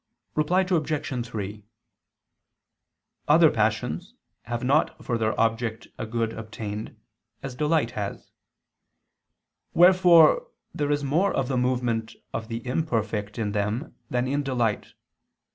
Reply Obj. 3: Other passions have not for their object a good obtained, as delight has. Wherefore there is more of the movement of the imperfect in them than in delight.